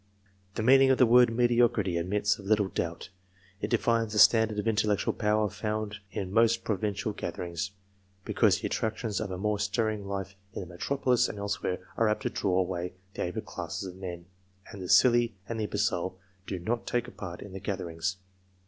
The meaning of the word " mediocrity " admits of little doubt. It defines the standard of intellectual power found in most provincial gatherings, because the attractions of a more stirring life in the metropolis and elsewhere, are apt to draw away the abler classes of men, and the silly and the imbecile do not take a part in the gatherings.